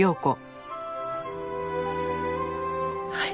はい。